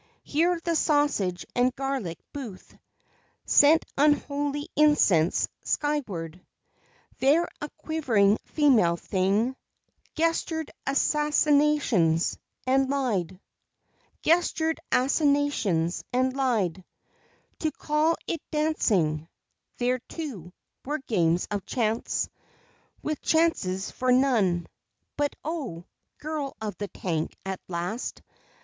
Here the sausage and garlic booth Sent unholy incense skyward; There a quivering female thing Gestured assignations, and lied To call it dancing; There, too, were games of chance With chances for none; But oh! Girl of the Tank, at last!